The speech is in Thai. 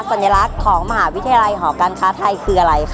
สัญลักษณ์ของมหาวิทยาลัยหอการค้าไทยคืออะไรคะ